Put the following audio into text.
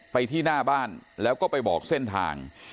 ไปที่หน้าบ้านแล้วก็ไปบอกเส้นทาง